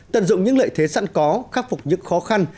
tận dụng những lợi thế sẵn có khắc phục những khó khăn